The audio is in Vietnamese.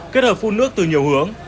kết hợp phun nước từ nhiều hướng